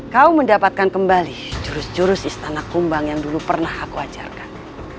kau mendapatkan kembali jurus jurus istana kumbang yang dulu pernah aku ajarkan